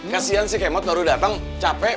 kasian sih kemot baru datang capek